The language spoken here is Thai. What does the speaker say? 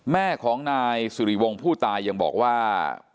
แม่ของนายสุริวงศ์ผู้ตายยังบอกว่า